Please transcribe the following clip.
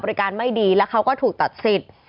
ไม่ดีแล้วเขาก็ถูกตัดสิทธิ์